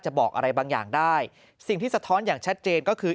บอกอะไรบางอย่างได้สิ่งที่สะท้อนอย่างชัดเจนก็คือ